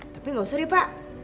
tapi gak usah deh pak